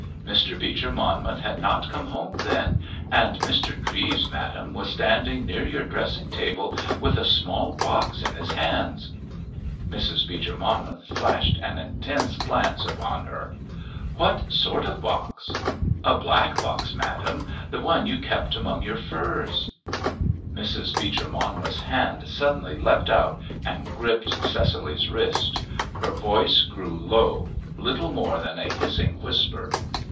Mr. Beecher Monmouth had not come home then; and Mr. Treves, madame, was standing near your dressing table with a small box in his hands." Mrs. Beecher Monmouth flashed an intense glance upon her. "What sort of box?" "A black box, madame, the one you kept among your furs." Mrs. Beecher Monmouth's hand suddenly leapt out and gripped Cecily's wrist. Her voice grew low, little more than a hissing whisper.